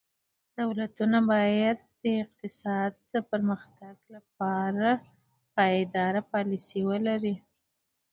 دولتونه باید د اقتصادي پرمختګ لپاره پایداره پالیسي ولري.